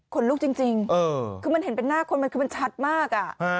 คนลุกจริงคือมันเห็นเป็นหน้าคนมันคือมันชัดมาก